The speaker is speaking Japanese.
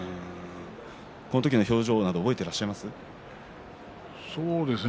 この時の表情など覚えていらっしゃいますか。